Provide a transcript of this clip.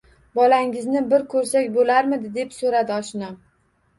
Bolangizni bir ko`rsak bo`larmidi, deb so`radi oshnam